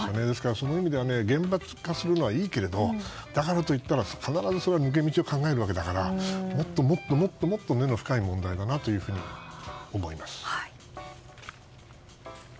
ですから、その意味で厳罰化するのはいいけれどだからといったら必ず抜け道を考えるわけだからもっともっともっと根の深い問題だなと思います。